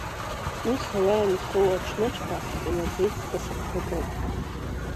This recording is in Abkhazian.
Уи сара иансоу аҽныҵәҟьа, инаӡеит са сыгәҭакык.